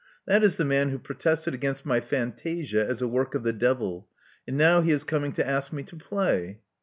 That is the man who protested against my fantam as a work of the devil; and now he is coming to ask me to play."